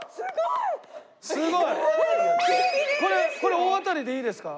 これ大当たりでいいですか？